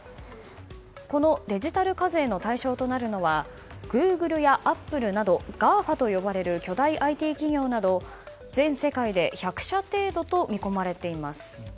このデジタル課税の対象となるのはグーグルやアップルなどＧＡＦＡと呼ばれる巨大ＩＴ企業など全世界で１００社程度と見込まれています。